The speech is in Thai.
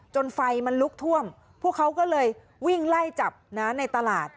ไฟมันลุกท่วมพวกเขาก็เลยวิ่งไล่จับนะในตลาด